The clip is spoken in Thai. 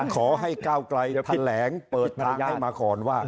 ขอให้ก้าวไกลแถลงเปิดทางให้มาก่อนว่า